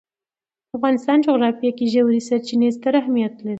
د افغانستان جغرافیه کې ژورې سرچینې ستر اهمیت لري.